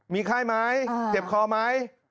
มีไข้ไหมเจ็บคอไหม